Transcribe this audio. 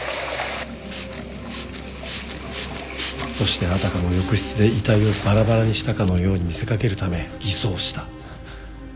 そしてあたかも浴室で遺体をバラバラにしたかのように見せ掛けるため偽装した。